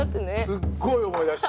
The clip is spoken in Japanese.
すっごい思い出した。